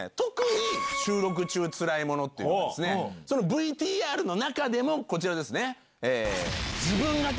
ＶＴＲの中でもこちらですね。